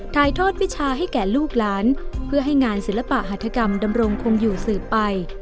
ถ่ายทอดวิชาให้แก่ลูกหลานเพื่อให้งานศิลปะหัฐกรรมดำรงคงอยู่สืบไป